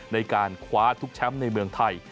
ในการคว้าทุกแชมป์ในเมืองไทย